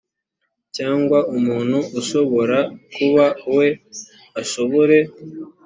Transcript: cyangwa umuntu ushobora kuba we ashobore